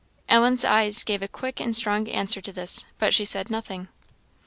Ellen's eyes gave a quick and strong answer to this, but she said nothing.